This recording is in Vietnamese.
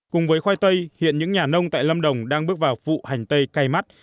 cùng với khoai tây hiện những nhà nông tại lâm đồng đang bước vào vụ hành tây cay mắt